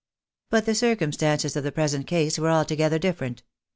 But the circumstances of the present case were altogether different.